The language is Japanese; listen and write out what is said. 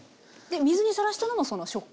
水にさらしたのがその食感。